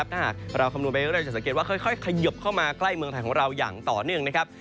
ถ้าหากเราคำนวณไปเรื่อยจะสังเกตว่าค่อยขยบเข้ามาใกล้เมืองไทยของเราอย่างต่อเนื่องนะครับ